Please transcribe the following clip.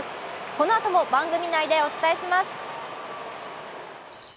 このあとも番組内でお伝えします。